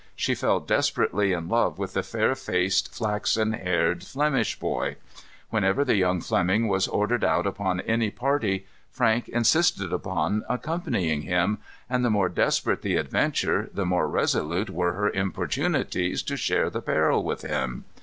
She fell desperately in love with the fair faced, flaxen haired Flemish boy. Whenever the young Fleming was ordered out upon any party, Frank insisted upon accompanying him; and the more desperate the adventure, the more resolute were her importunities to share the peril with him.